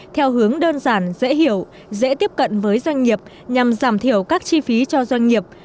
theo hướng đơn giản dễ hiểu dễ tiếp cận với doanh nghiệp nhằm giảm thiểu các chi phí cho doanh nghiệp